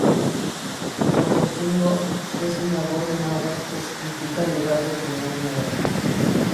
Ocosingo es una voz náhuatl que significa: "Lugar del señor negro".